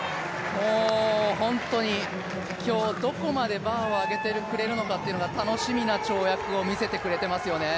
本当に今日どこまでバーを上げてくれるのかというのが楽しみな跳躍を見せてくれてますよね。